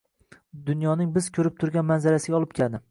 dunyoning biz ko‘rib turgan manzarasiga olib keldi